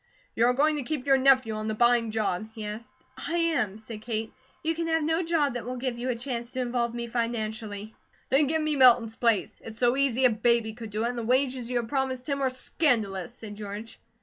"You are going to keep your nephew on the buying job?" he asked "I am," said Kate. "You can have no job that will give you a chance to involve me financially." "Then give me Milton's place. It's so easy a baby could do it, and the wages you have promised him are scandalous," said George.